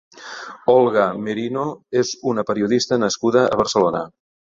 Olga Merino és una periodista nascuda a Barcelona.